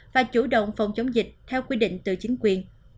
và chủ động phòng chống dịch theo quy định từ chính quyền